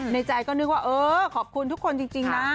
ในใจก็นึกว่าเออขอบคุณทุกคนจริงนะ